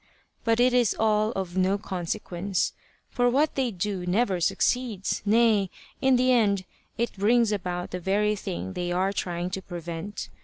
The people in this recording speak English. But it is all of no consequence, for what they do never succeeds; nay, in the end it brings about the very thing they are trying to prevent.